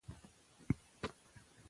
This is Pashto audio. ټیکنالوژي په مالي چارو کې مهمه ده.